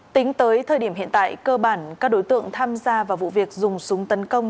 tính tới thời điểm hiện tại cơ bản các đối tượng tham gia vào vụ việc dùng súng tấn công